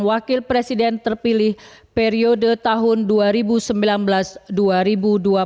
wakil presiden terpilih periode tahun dua ribu sembilan belas dua ribu dua puluh empat kedua penetapan pada angka satu ditutupi dengan